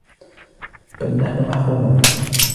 بَلْ نَحْنُ مَحْرُومُونَ